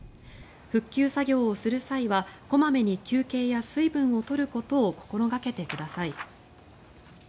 復旧作業をする際は小まめに休憩や水分を取ることを心掛けてください。